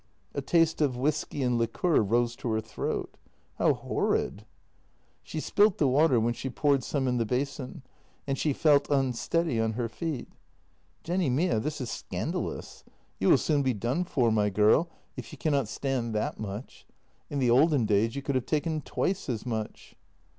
A taste of whisky and liqueur rose to her throat. How horrid ! She spilt the water when she poured some in the basin, and she felt unsteady on her feet. Jenny mia, this is scandalous. You will soon be done for, my girl, if you cannot stand that JENNY 213 much. In the olden days you could have taken twice as much.